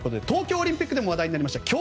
東京オリンピックでも話題になりました